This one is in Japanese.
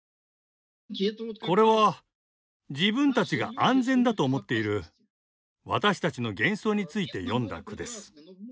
これは自分たちが安全だと思っている私たちの幻想について詠んだ句です。